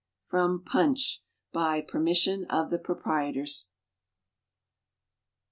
(From "PUNCH," by permission of the Proprietors.)